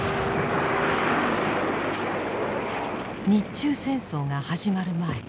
日中戦争が始まる前